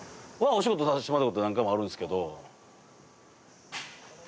お仕事させてもらったこと何回もあるんすけど。